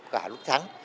cả lúc thắng